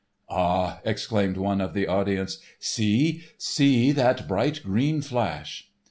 _ "Ah!" exclaimed one of the audience, "see, see that bright green flash!"